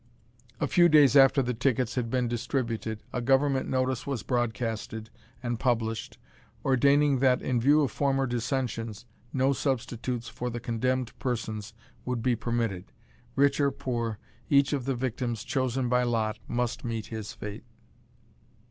A few days after the tickets had been distributed, a Government notice was broadcasted and published, ordaining that, in view of former dissensions, no substitutes for the condemned persons would be permitted. Rich or poor, each of the victims chosen by lot must meet his fate.